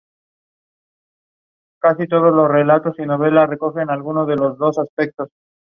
El resultado fue empate a cero.